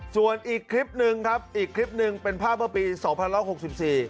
ส่วนอีกคลิปนึงครับอีกคลิปนึงเป็นภาพปี๒๑๖๔